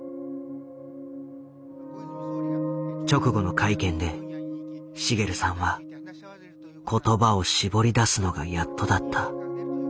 直後の会見で滋さんは言葉を絞り出すのがやっとだった。